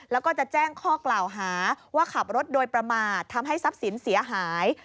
แล้วก็จะแจ้งข้อกล่าวหาว่าขับรถโดยประมาททำให้ทรัพย์สินเสียหาย